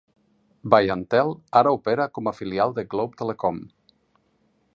BayanTel ara opera com a filial de Globe Telecom.